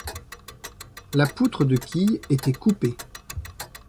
La poutre de quille était coupée.